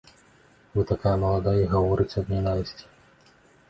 Вы такая маладая і гаворыце аб нянавісці?